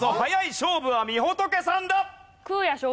勝負はみほとけさんだ。